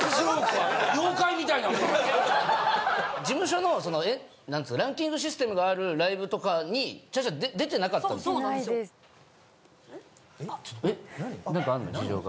事務所のランキングシステムがあるライブとかに茶々出てなかったんです。